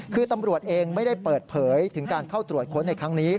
คือตำรวจเองไม่ได้เปิดเผยถึงการเข้าตรวจค้นในครั้งนี้